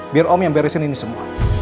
biar om yang beresin ini semua